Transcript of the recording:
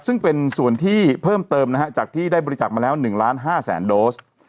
ซึ่งเป็นส่วนที่เพิ่มเติมนะฮะจากที่ได้บริจาคมาแล้ว๑ล้าน๕แสนโดส